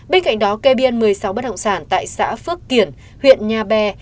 bên cạnh đó kê biên một mươi sáu bất động sản tại xã phước kiển huyện nha be